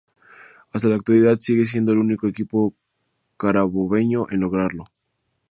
Hasta la actualidad sigue siendo el único equipo carabobeño en lograrlo.